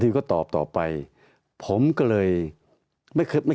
ตั้งแต่เริ่มมีเรื่องแล้ว